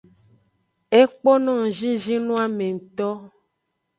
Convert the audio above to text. Ekpo no ngzinzin noame ngto.